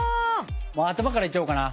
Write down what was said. もう頭からいっちゃおうかな。